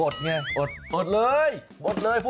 อดนี่อดเลย